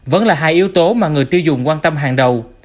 vẫn là hai yếu tố mà người tiêu dùng quan tâm hàng đầu